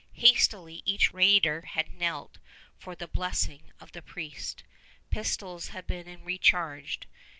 Hastily each raider had knelt for the blessing of the priest. Pistols had been recharged.